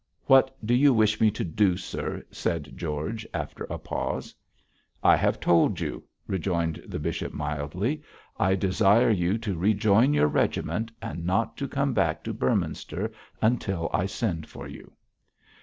'What do you wish me to do, sir?' asked George, after a pause. 'I have told you,' rejoined the bishop, mildly. 'I desire you to rejoin your regiment and not come back to Beorminster until I send for you.'